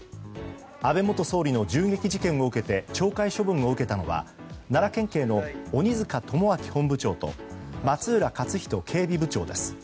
安倍元総理の銃撃事件を受けて懲戒処分を受けたのは奈良県警の鬼塚友章本部長と松浦克仁警備部長です。